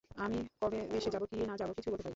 আমি কবে দেশে যাব, কি না যাব, কিছুই বলতে পারি না।